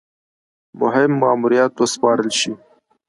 مهم ماموریت وسپارل شي.